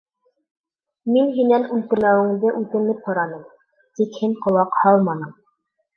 Мин һинән үлтермәүеңде үтенеп һораным, тик һин ҡолаҡ һалманың.